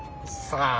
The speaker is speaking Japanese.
さあ？